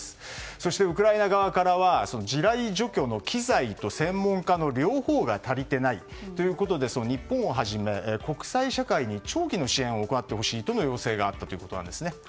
そして、ウクライナ側からは地雷除去の機材と専門家の両方が足りていないということで日本をはじめ国際社会に長期の支援を行ってほしいという要請があったそうです。